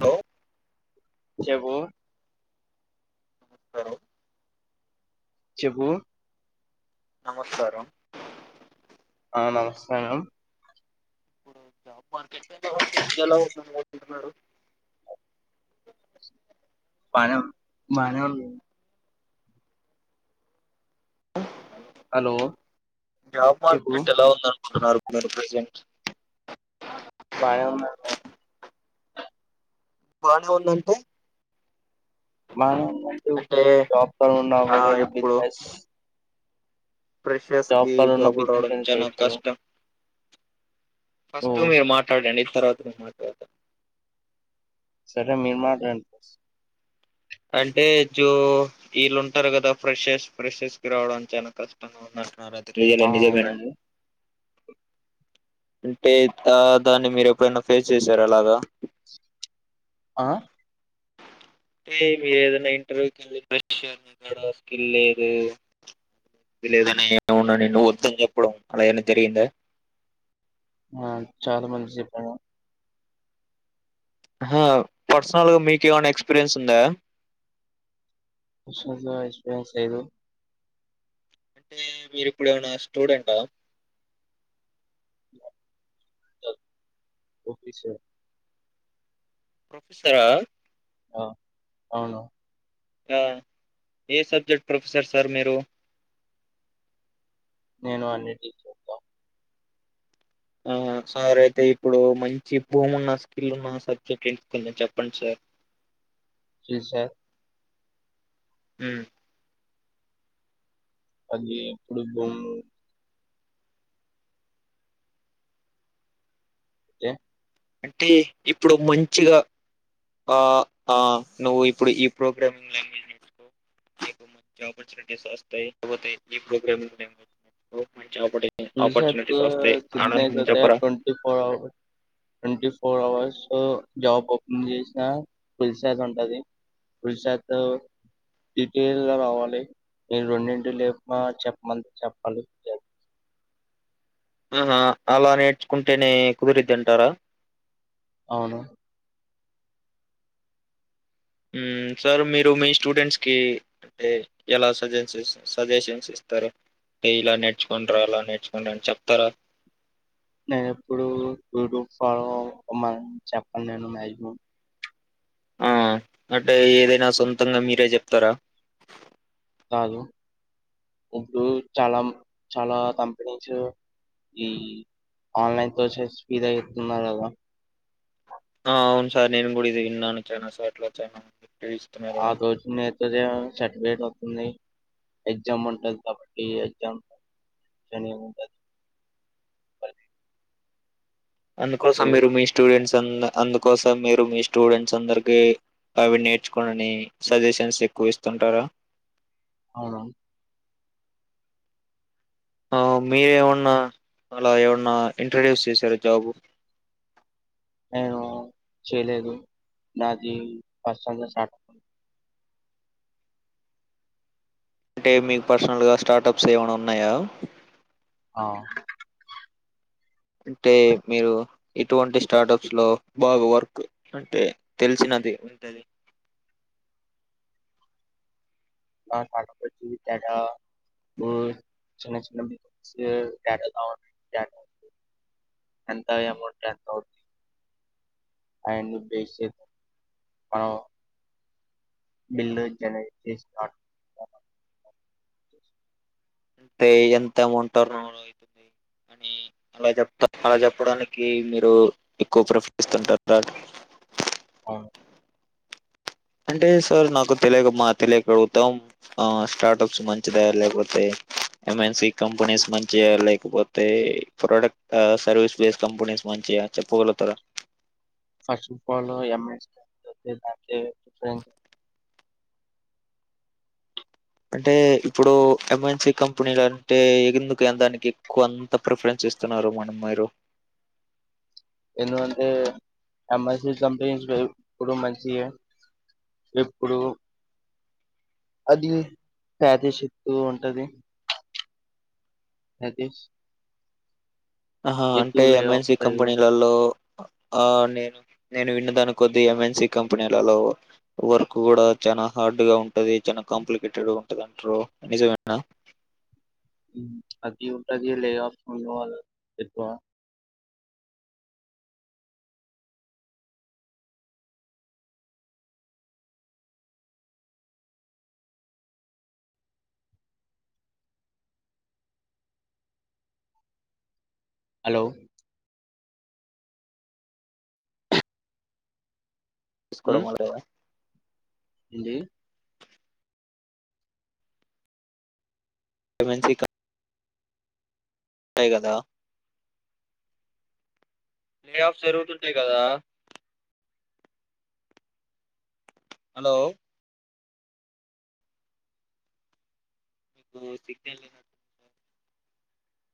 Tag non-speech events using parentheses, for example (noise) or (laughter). Hello చెప్పు (unintelligible) చెప్పు నమస్కారం ఆ నమస్కారం ఇప్పుడు జాబ్ మార్కెట్ ఎలా ఉందంటున్నారు మనం మనం హలో జాబ్ చెప్పు మార్కెట్ ఎలా ఉందండి ున్నారు మీరు ప్రెజెంట్ (unintelligible) బానే ఉందంటే మ అంటే జాబ్ తో ఉన్నా ఆ ఏదయినా బిజినెస్ ప్రెషర్స్ జాబ్ కి లో ఉన్న జాబులు బిజినెస్ రావడం ఏదో చాల చేయొచ్చు కదా కష్టం ఓ ఫస్ట్ మీరు మాట్లాడండి తర్వాత మాట్లాడతా సరే మీరు మాట్లాడండి ఫస్ట్ అంటే జో వీళ్ళుంటారు కదా ఫ్రెషర్స్ ఫ్రెషర్స్ కి రావడానికి చాలా కష్టంగా ఉందంటున్నార ఆ రియలే నిజమేనా అవునండి అంటే దా దాన్ని మీరు ఎప్పుడైనా ఫేస్ చేశారు అలాగా ఆ టే మీరు ఏదైనా ఇంటర్వ్యూ వెళ్ళినప్పుడు స్కిల్ లేదు ఇది లేదని ఎమన్నా నిన్ను వద్దని చెప్పడం అలా ఏమైనా జరిగిందా ఆ చాలా మంది చెప్పారు ఆహ్ పర్సనల్ గా మీకు ఏమైనా ఎక్స్పీరియన్స్ ఉందా పర్సనల్ గా ఎక్స్పరియన్స్ లేదు అంటే మీరిప్పుడు ఏమైనా స్టూడెంటా (unintelligible) ప్రొఫెసరా ఆ అవును ఏ సబ్జెక్ట్ ప్రొఫెసర్ సార్ మీరు నేను అన్నిటికి చెప్తా ఆహ్ సార్ అయితే ఇప్పుడు మంచి బ్రూమ్ ఉన్న స్కిల్ ఉన్న సబ్జెక్ట్ ఏంటి కొంచం చెప్పండి సార్ సార్ ఊ అది ఇప్పుడు (unintelligible) కే అంటే ఇప్పుడు మంచిగా ఆహ్ ఆహ్ నువ్వు ఇప్పుడు ఈ ప్రోగ్రామింగ్ లాంగ్వేజ్ నేర్చుకో మంచి ఆపర్చునిటీస్ వస్తాయి లేకపోతే ఈ ప్రోగ్రామింగ్ లాంగ్వేజ్ నేర్చకో అలా చెప్పరా twenty four hour twenty four hours job open చేసిన ఫుల్ శాత్ ఉంటుంది ఫుల్ శాత్ డీటెల్గా రావాలి నేను రెండింటికి లేపి చెప్పమంది చెప్పాలి ఆహా అలా నేర్చుకుంటేనే కుదిరిద్ది అంటారా అవును ఊ సార్ మీరు మీ స్టూడెంట్స్ కి అంటే ఎలా సజెషస్ సజెషన్స్ ఇస్తారు అంటే ఇలా నేర్చుకుంనిరా అలా నేర్చుకోనీ అని చెప్తారా నేను ఎప్పుడు చెప్పను నేను మాక్సిమం ఆ అంటే ఏదైనా సొంతంగా మీరే చెప్తారా ఇప్పుడు చాలా చాలా కంపెనీస్ ఈ ఆన్లైన్ కోర్సు ఫ్రీగా ఇస్తున్నారు కదా ఆ! అవును సార్ నేను కూడా ఇది విన్నాను చానా సార్లు అట్లా చానా ఇస్తున్నారని. సర్టిఫికేట్ వస్తుంది. ఎగ్జామ్ ఉంటది కాబట్టి ఎగ్జామ్ అందుకోసం మీరు మీ స్టూడెంట్స్ అందుకోసం మీరు మీ స్టూడెంట్స్ అందరికి అవి నేర్చుకోని అని సజెషన్స్ ఎక్కువ ఇస్తుంటారా అవునా ఆహ్ మీరేమన్నా అలా ఏమన్నా ఇంట్రొడ్యూస్ చేసారా జాబు నేను చేయలేదు నాది (unintelligible) అంటే మీకు పర్సనల్గా స్టార్టప్స్ ఏమైనా ఉన్నాయా ఆహ్ అంటే మీరు ఎటువంటి స్టార్టప్స్ లో బాగా వర్క్ అంటే తెలిసినది ఉంటది (unintelligible) హుమ్ చిన్న చిన్న బిజినెస్ (unintelligible) అంత అమౌంట్ ఎంత అవుది అయన్ని బేసిక్ అవునూ బిల్లు జెనరేట్ చేస్త (unintelligible) అంటే ఎంత అమౌంట్ టర్న్ ఓవర్ అయితుంది అని అలా చెప్త అలా చెప్పడానికి మీరు ఎక్కువ ప్రిఫర్ ఇస్తుంటార అవును అంటే సార్ నాకు తెలియక మా తెలియక అడుగుతాం స్టార్టప్స్ మంచిదా లేకపోతే ఎంఎన్సి కంపెనీస్ మంచియా లేకపోతే ప్రోడక్ట్ సర్వీస్ బేస్ కంపెనీస్ మంచియా చెప్పగలుగుతారా first of all M NC company (unintelligible) అంటే ఇప్పుడు ఎమ్ ఎన్సీ కంపెనీలు అంటే ఎందుకు ఎక్కువ అంత ప్రిఫరెన్స్ ఇస్తున్నారు మరి మీరు ఎందుకంటే ఎమ్ ఎన్సీ కంపెనీస్ ఎప్పుడు మంచియే ఎప్పుడు అది పాదేశిప్పు ఉంటది నతిష్ ఆహ అంటే ఎంఎన్సి కంపెనీలల్లో ఆ నేను నేను విన్నదానికి కొద్ది ఎంఎన్సి కంపెనీలలో వర్క్ గుడా చాలా హార్డ్ గా ఉంటది చాల కాంప్లికేటెడ్గా ఉంటది అంటారు నిజమేనా హుమ్ అది ఉంటది లేఆఫ్ ఉండం వల్ల ఎక్కువా హలో తీసుకోవడం వల్లేగా ఏంది ఎమ్ ఎన్సి కంప్ ఉంటాయ్ గదా లే ఆఫ్ జరుగుతుంటాయి గదా హలో నీకు సిగ్నల్ లేదు